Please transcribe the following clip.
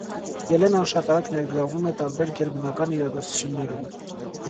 Ելենան շատ արագ ներգրավվում է տարբեր գերբնական իրադարձություններում։